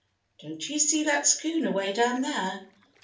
"Don't you see that schooner way down there?